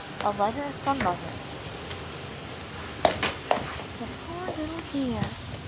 ^•LETTER FROM'MOTHER HE poor little dear!"